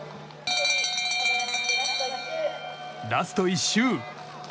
ラスト１周。